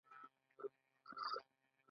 همدارنګه وايي کوم کارونه باید پریږدو.